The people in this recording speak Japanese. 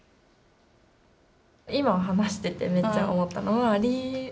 今話してて、めっちゃ思ったのが。